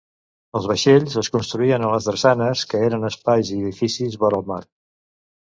Els vaixells es construïen a les drassanes, que eren espais i edificis vora el mar.